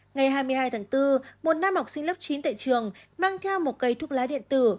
ngày hai mươi hai tháng bốn một nam học sinh lớp chín tại trường mang theo một cây thuốc lá điện tử